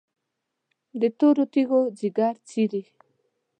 د تورو تیږو ځیګر څیري،